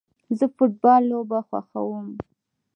زه فټبال لوبه خوښوم